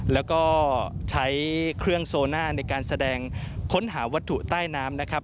แล้วก็ใช้เครื่องโซน่าในการแสดงค้นหาวัตถุใต้น้ำนะครับ